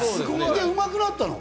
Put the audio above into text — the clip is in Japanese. うまくなったの？